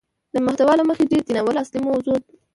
د محتوا له مخې ده دې ناول اصلي موضوع